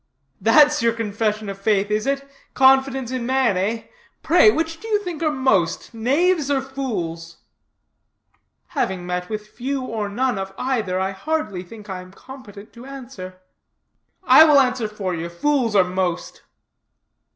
"That's your Confession of Faith, is it? Confidence in man, eh? Pray, which do you think are most, knaves or fools?" "Having met with few or none of either, I hardly think I am competent to answer." "I will answer for you. Fools are most."